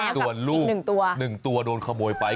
ตัวลูกหนึ่งตัวโดนขโมยไป